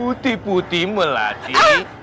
putih putihmu lah dik